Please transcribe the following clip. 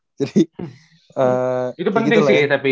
itu penting sih tapi